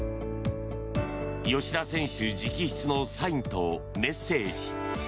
吉田選手直筆のサインとメッセージ。